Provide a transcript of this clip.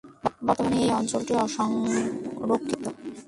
বর্তমানে এই অঞ্চলটি অসংরক্ষিত।